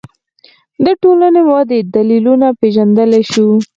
د ټولنې ودې دلیلونه پېژندلی شو